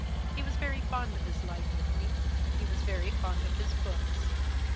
He was very fond of his library ; he was very fond of his books.